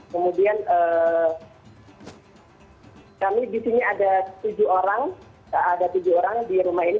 kemudian kami di sini ada tujuh orang ada tujuh orang di rumah ini